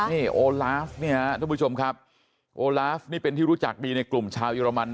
นี่โอลาฟเนี่ยทุกผู้ชมครับโอลาฟนี่เป็นที่รู้จักดีในกลุ่มชาวเยอรมัน